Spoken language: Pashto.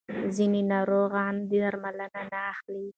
ځینې ناروغان درمل نه اخلي.